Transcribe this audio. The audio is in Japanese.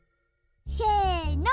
せの！